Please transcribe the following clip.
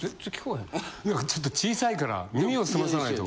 ちょっと小さいから耳をすまさないと。